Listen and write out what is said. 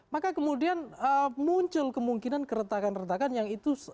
maka kemudian muncul kemungkinan keretakan retakan yang itu